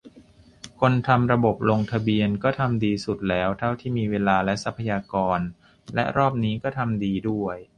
คนทำระบบลงทะเบียนก็ทำดีสุดแล้วเท่าที่มีเวลาและทรัพยากร และรอบนี้ก็ทำดีด้วย